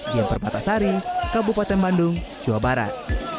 diemperbatasari kabupaten bandung jawa barat